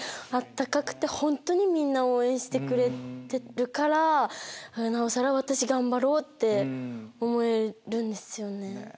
温かくて本当にみんな応援してくれてるからなおさら私頑張ろうって思えるんですよね。